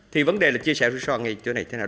thì vấn đề là chia sẻ rủi ro này chỗ này thế nào